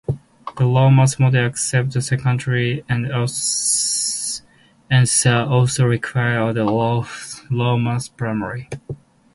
The low mass model accepts the secondary and so also requires a low-mass primary.